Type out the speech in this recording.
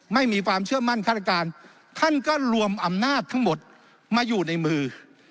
ไม่มีความเชื่อมั่นฆาตการท่านก็รวมอำนาจทั้งหมดมาอยู่ในมือ